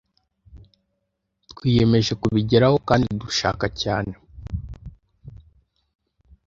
Twiyemeje kubigeraho kandi dushaka cyane